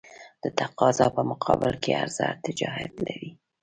د تقاضا په مقابل کې عرضه ارتجاعیت لري.